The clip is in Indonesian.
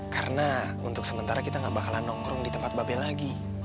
karena untuk sementara kita gak bakalan nongkrong di tempat babe lagi